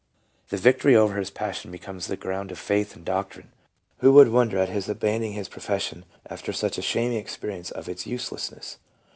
The victory over his passion becomes the ground of faith in doctrine. Who would wonder at his abandoning his proiession after such a shaming experience of its uselessness